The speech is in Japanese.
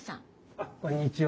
あっこんにちは。